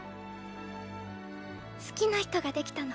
好きな人ができたの。